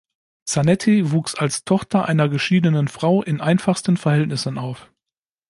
Zanetti wuchs als Tochter einer geschiedenen Frau in einfachsten Verhältnissen auf.